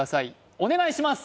お願いします